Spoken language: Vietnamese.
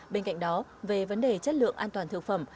bên cạnh đó về vấn đề chất lượng an toàn thực phẩm